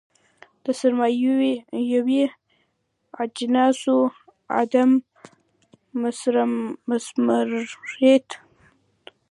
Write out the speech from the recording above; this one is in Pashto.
د سرمایوي اجناسو عدم مثمریت.